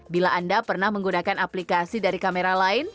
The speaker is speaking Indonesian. bila anda pernah menggunakan aplikasi dari kamera lain